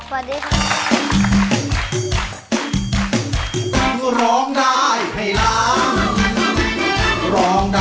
สวัสดีครับ